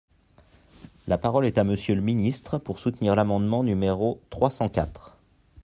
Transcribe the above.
La parole est à Monsieur le ministre, pour soutenir l’amendement numéro trois cent quatre.